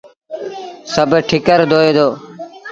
سڀ ٺڪر دوئي دو۔